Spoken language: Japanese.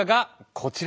こちら！